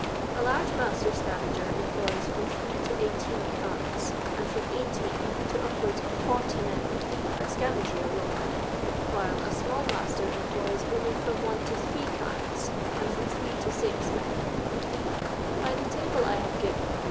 A large master scavenger employs from 3 to 18 carts, and from 18 to upwards of 40 men at scavengery alone, while a small master employs only from 1 to 3 carts and from 3 to C men. By the table I have given, p.